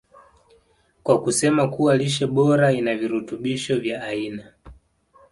kwa kusema kuwa lishe bora ina virutubisho vya aina